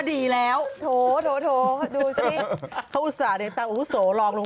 เดี๋ยวจะฝากทางทีมงานเก็บไว้ก่อน